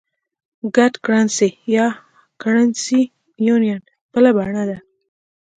ګډه کرنسي یا Currency Union بله بڼه ده.